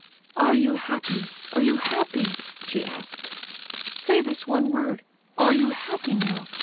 "Are you happy—are you happy?" she asked. "Say this one word. Are you happy now?